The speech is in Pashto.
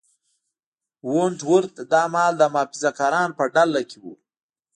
ونټ ورت دا مهال د محافظه کارانو په ډله کې و.